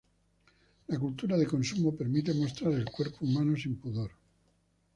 La cultura de consumo permite mostrar el cuerpo humano sin pudor.